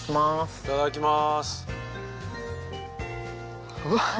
いただきます。